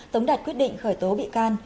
tống đặt quyết định khởi tố bị can